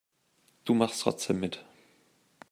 Du machst trotzdem mit.